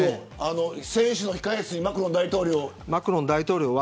選手の控え室にマクロン大統領が。